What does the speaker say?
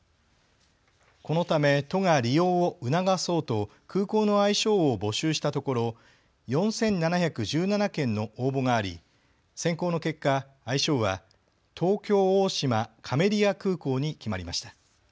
このため都が利用を促そうと空港の愛称を募集したところ４７１７件の応募があり選考の結果、愛称は東京大島かめりあ空港に決まりました。